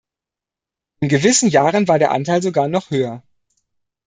In gewissen Jahren war der Anteil sogar noch höher.